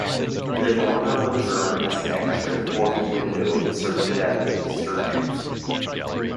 The northern return has an extra fourth window inserted at the eastern end.